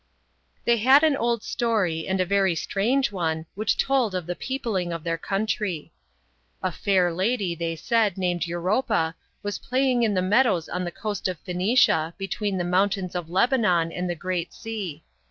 They had an old story, and a very strange one, which told of the peopling of their country. THE STORIES OF GREECE. 55 /?* A fair lady, they said, namecl Europa, was playing in the meadows on the coast of Phoenicia, between the mountains of Lebanon and the Great Sea.